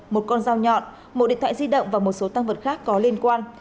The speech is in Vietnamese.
một con dao nhọn một điện thoại di động và một số tăng vật khác có liên quan